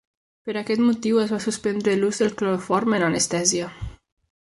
Per aquest motiu es va suspendre l'ús del cloroform en anestèsia.